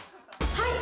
はい。